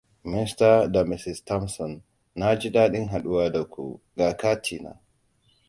Mr. da Mrs. Thompson, naji daɗin haɗuwa da ku. Ga kati na.